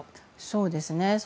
そうですね。